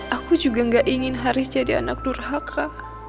aku juga gak ingin haris jadi anak durhaka